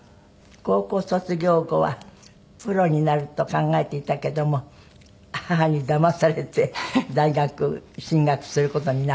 高校卒業後はプロになると考えていたけども母にだまされて大学進学する事になった？